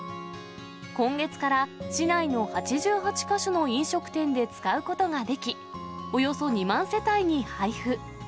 今月から市内の８８か所の飲食店で使うことができ、およそ２万世帯に配布。